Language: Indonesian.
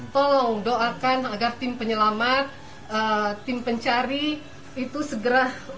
tolong doakan agar tim penyelamat tim pencari itu segera